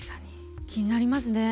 気になりますね。